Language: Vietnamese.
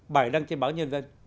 bài đăng trên báo nhân dân